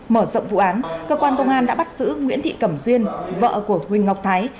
mở rộng vụ án cơ quan công an đã bắt giữ nguyễn thị cẩm duyên vợ của huỳnh ngọc thái